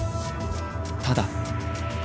ただ」。